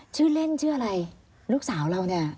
ชื่อเล่นชื่ออะไรลูกสาวเราเนี่ย